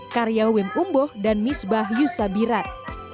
karya wim umboh dan misbah yusabirat